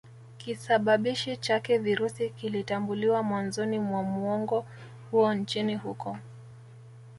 kisababishi chake Virusi kilitambuliwa mwanzoni mwa muongo huo nchini huko